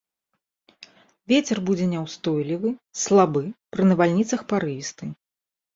Вецер будзе няўстойлівы, слабы, пры навальніцах парывісты.